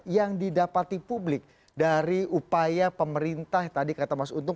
yang didapati publik dari upaya pemerintah tadi kata mas untung